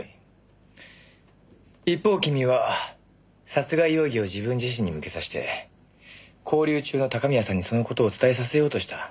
一方君は殺害容疑を自分自身に向けさせて拘留中の高宮さんにその事を伝えさせようとした。